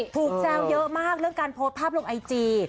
แซวเยอะมากเรื่องการโพสต์ภาพลงไอจี